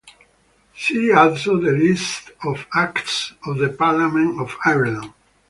See also the List of Acts of the Parliament of Ireland.